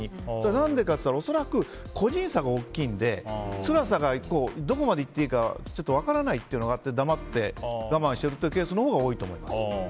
何でかというと恐らく個人差が大きいので辛さがどこまで言っていいかちょっと分からないというのがあって黙って我慢しているケースがあると思います。